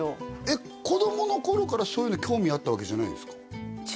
えっ子供の頃からそういうの興味あったわけじゃないんですか？